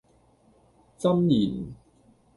箴言